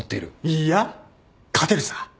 いいや勝てるさ。